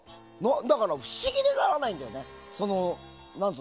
だから不思議でならないんだよね。